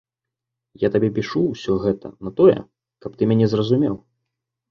Я табе пішу ўсё гэта на тое, каб ты мяне зразумеў.